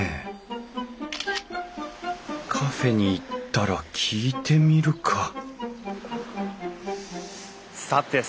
カフェに行ったら聞いてみるかさてさて